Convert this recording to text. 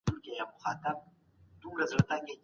دغه هلک ډېر ژر پوهېدی.